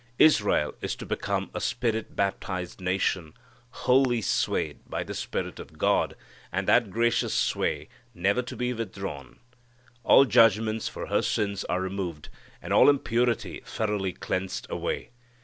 Israel is to become a Spirit baptized nation, wholly swayed by the Spirit of God, and that gracious sway never to be withdrawn. All judgments for her sins are removed and all impurity thoroughly cleansed away.